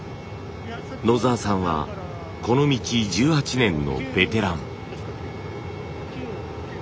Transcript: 野澤さんはこの道１８年のベテラン。